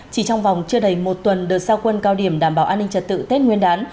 chỉ trong vòng chưa đầy một tuần đợt sao quân cao điểm đảm bảo an ninh trật tự tết nguyên đán